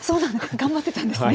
頑張ってたんですね。